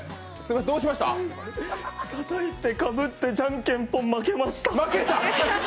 たたいてかぶってじゃんけんぽん、負けました。